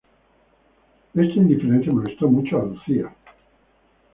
Esta indiferencia molestó mucho a Lucy.